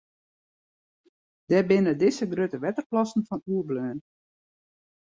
Dêr binne dizze grutte wetterplassen fan oerbleaun.